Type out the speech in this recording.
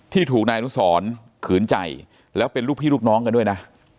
ที่ถูกนายอนุสรขืนใจแล้วเป็นลูกพี่ลูกน้องกันด้วยนะ